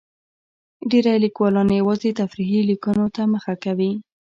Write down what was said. ډېری لیکوالان یوازې تفریحي لیکنو ته مخه کوي.